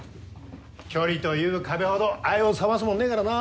距離という壁ほど愛を冷ますもんねえからな。